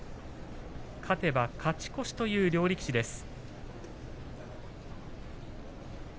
勝てば勝ち越しという両力士です。